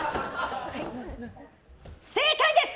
正解です！